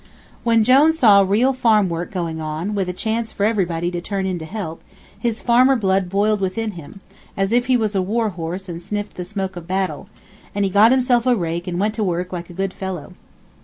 When Jone saw the real farm work going on, with a chance for everybody to turn in to help, his farmer blood boiled within him, as if he was a war horse and sniffed the smoke of battle, and he got himself a rake and went to work like a good fellow.